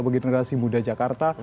bagi generasi muda jakarta